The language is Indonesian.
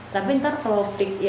tapi nanti kalau strict